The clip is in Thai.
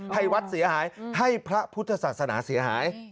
ให้วัดเสียหายให้พระพุทธศาสนาเสียหาย